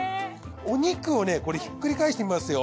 お肉をこれひっくり返してみますよ。